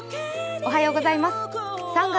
おはようございます。